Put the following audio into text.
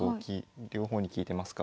両方に利いてますから。